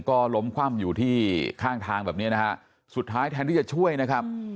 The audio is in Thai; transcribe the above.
ก็ล้มคว่ำอยู่ที่ข้างทางแบบเนี้ยนะฮะสุดท้ายแทนที่จะช่วยนะครับ